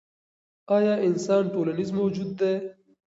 ایا انسان ټولنیز موجود دی؟